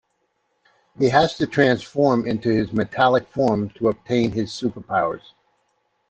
He has to "transform into his metallic form" to obtain his superpowers.